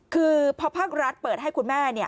คือพอภาครัฐเปิดให้คุณแม่